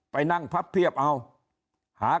ไปนั่งพับเพียบเอาหา